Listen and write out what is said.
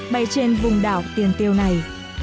bay trên vùng đảo tiền tiêu này